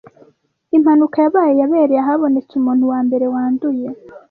Impanuka yabaye yabereye ahabonetse umuntu wambere wanduye